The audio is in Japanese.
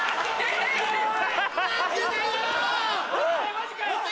マジかよ！